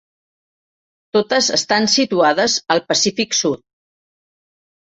Totes estan situades al Pacífic sud.